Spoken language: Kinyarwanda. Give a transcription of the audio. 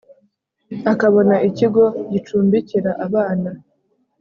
akabona ikigo gicumbikira abana